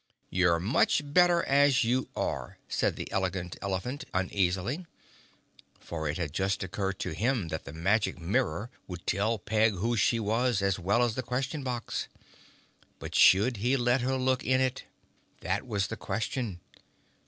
"You're much better as you are," said the Elegant Elephant uneasily, for it had just occurred to him that the Magic Mirror would tell Peg who she was as well as the Question Box. But should he let her look in it? That was the question.